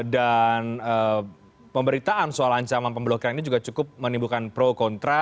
dan pemberitaan soal ancaman pembelokan ini juga cukup menimbulkan pro kontra